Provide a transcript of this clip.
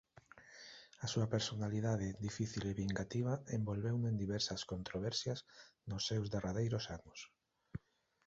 A súa personalidade difícil e vingativa envolveuno en diversas controversias nos seus derradeiros anos.